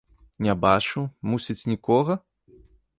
Не бачыў, мусіць, нікога?